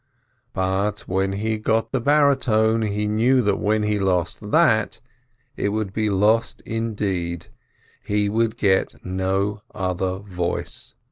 But when he had got the baritone, he knew that when he lost that, it would be lost indeed — he would get no other voice.